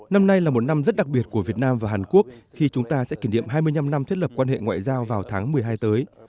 năm nay là một năm rất đặc biệt của việt nam và hàn quốc khi chúng ta sẽ kỷ niệm hai mươi năm năm thiết lập quan hệ ngoại giao vào tháng một mươi hai tới